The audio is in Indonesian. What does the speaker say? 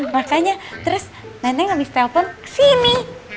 makanya terus neneng abis telepon kesini